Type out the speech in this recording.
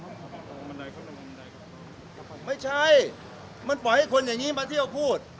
บันไดเข้าไปไม่ใช่มันปล่อยให้คนอย่างงี้มาเที่ยวพูด